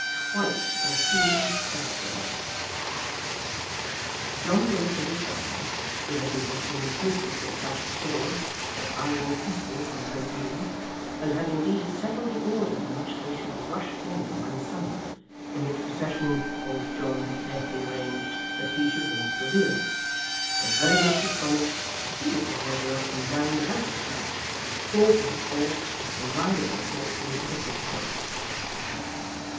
Quite a human badger!' John Willet and his friends, who had been listening intently for the clash of swords, or firing of pistols in the great room, and had indeed settled the order in which they should rush in when summoned in which procession old John had carefully arranged that he should bring up the rear were very much astonished to see Mr Haredale come down without a scratch, call for his horse, and ride away thoughtfully at a footpace.